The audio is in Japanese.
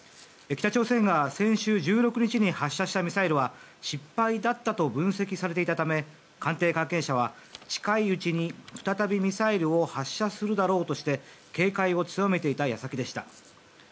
北朝鮮が先週１６日に発射したミサイルは失敗だったと分析されていたため官邸関係者は近いうちに再びミサイルを発射するだろうとして警戒を強めていた矢先でした。